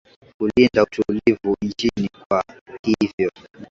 kulinda utulivu nchini kwa hivvyo